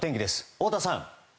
太田さん。